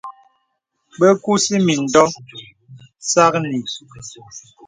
Bə kūsì mìndɔ̄ɔ̄ sâknì.